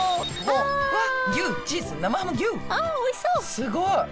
すごい！